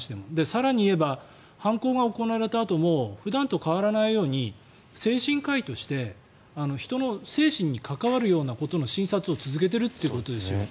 更に言えば犯行が行われたあとも普段と変わらないように精神科医として人の精神に関わるようなことの診察を続けているということですよ。